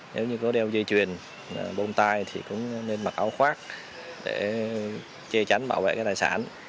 nếu như có đeo dây chuyền bông tai thì cũng nên mặc áo khoác để che chắn bảo vệ cái tài sản